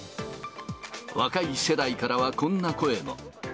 若い世代からはこんな声も。